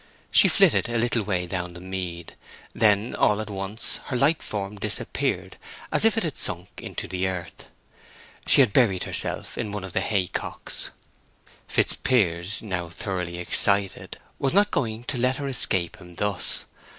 She flitted a little way down the mead, when all at once her light form disappeared as if it had sunk into the earth. She had buried herself in one of the hay cocks. Fitzpiers, now thoroughly excited, was not going to let her escape him thus.